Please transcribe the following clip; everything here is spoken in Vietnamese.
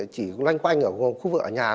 chỉ loanh quanh khu vực ở nhà